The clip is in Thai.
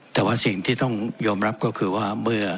แต่ว่าสิ่งที่ต้องยอมรับก็คือว่าเมื่อ